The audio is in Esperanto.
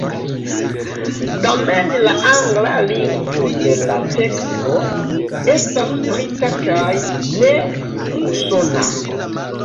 Tamen la angla lingvo de la teksto estas brita kaj ne usona.